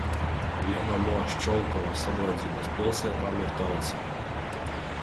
Viena no Ščolkovas sadraudzības pilsētām ir Talsi.